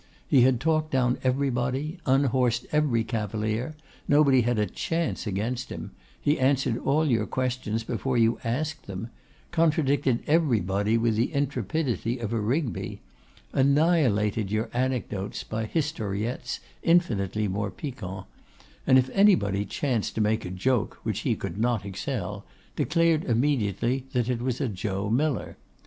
He had talked down everybody, unhorsed every cavalier. Nobody had a chance against him: he answered all your questions before you asked them; contradicted everybody with the intrepidity of a Rigby; annihilated your anecdotes by historiettes infinitely more piquant; and if anybody chanced to make a joke which he could not excel, declared immediately that it was a Joe Miller.